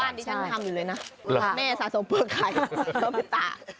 บ้านที่ฉันทำอยู่เลยนะแม่สะสมเปลือกไข่ก็ไปตาก